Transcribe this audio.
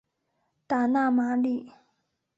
达讷马里。